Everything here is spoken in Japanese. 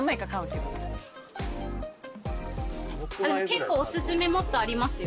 結構おすすめもっとありますよ。